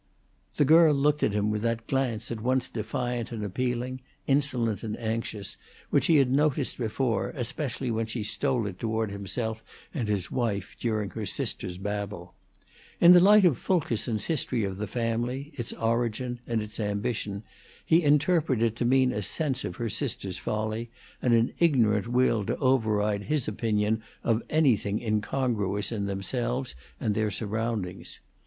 The girl looked at him with that glance at once defiant and appealing, insolent and anxious, which he had noticed before, especially when she stole it toward himself and his wife during her sister's babble. In the light of Fulkerson's history of the family, its origin and its ambition, he interpreted it to mean a sense of her sister's folly and an ignorant will to override his opinion of anything incongruous in themselves and their surroundings.